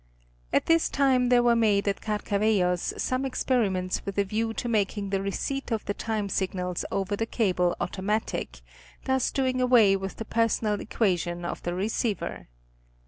At this time there were made at Carcavellos, some experiments with a view to mak ing the receipt of the time signals over the cable automatic, thus doing away with the personal equation of the receiver.